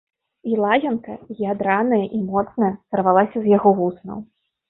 І лаянка, ядраная і моцная, сарвалася з яго вуснаў.